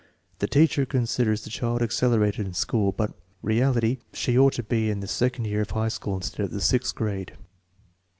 The teacher con siders the child accelerated in school. In reality she ought to be in the second year of high school instead of in the sixth grade.